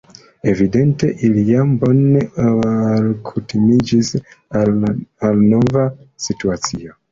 Evidente ili jam bone alkutimiĝis al la nova situacio.